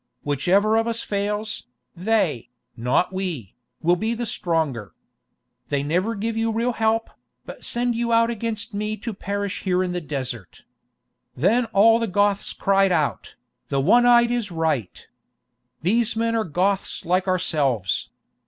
Whichever of us fails, they, not we, will be the stronger. They never give you real help, but send you out against me to perish here in the Desert." Then all the Goths cried out, "The One Eyed is right. These men are Goths like ourselves."